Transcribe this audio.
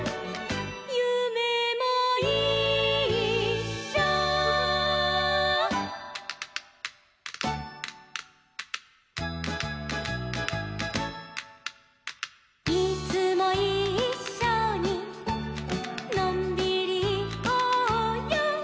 「ゆめもいっしょ」「いつもいっしょにのんびりいこうよ」